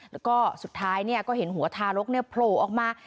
แล้วก็สุดท้ายก็เห็นหัวทารกโผล่ออกมา